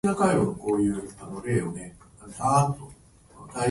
カフェオレを飲む